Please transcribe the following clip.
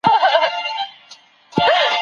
هرچا ته ځکه{یاره} بس چپه نیسم لاسونه